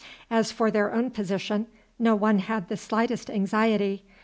As for their own position, no one had the slightest anxiety.